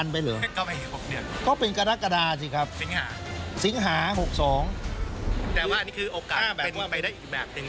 แต่ว่าอันนี้คือโอกาสเป็นไปได้อีกแบบหนึ่ง